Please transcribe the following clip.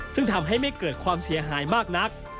ซึ่งทำให้ไม่เกิดความเสียหายมากนัก